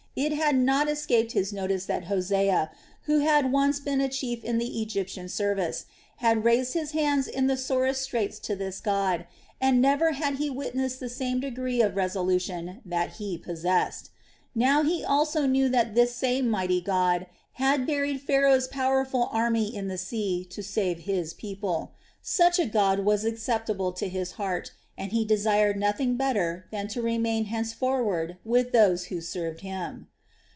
It had not escaped his notice that Hosea, who had once been a chief in the Egyptian service, had raised his hands in the sorest straits to this God, and never had he witnessed the same degree of resolution that he possessed. Now he also knew that this same mighty God had buried Pharaoh's powerful army in the sea to save His people. Such a God was acceptable to his heart, and he desired nothing better than to remain henceforward with those who served Him.